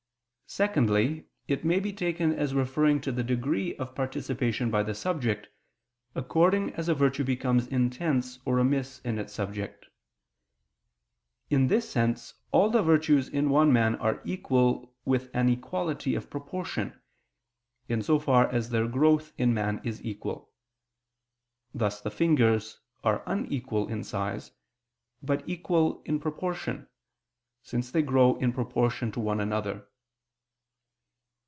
Secondly, it may be taken as referring to the degree of participation by the subject, according as a virtue becomes intense or remiss in its subject. In this sense all the virtues in one man are equal with an equality of proportion, in so far as their growth in man is equal: thus the fingers are unequal in size, but equal in proportion, since they grow in proportion to one another.